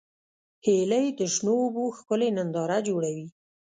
هیلۍ د شنو اوبو ښکلې ننداره جوړوي